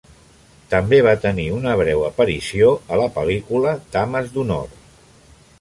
També va tenir una breu aparició a la pel·lícula "Dames d'honor".